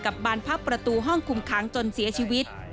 บานพักประตูห้องคุมค้างจนเสียชีวิต